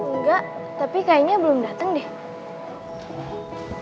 enggak tapi kayaknya belum datang deh